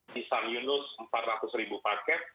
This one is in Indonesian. nisan yunus empat ratus ribu paket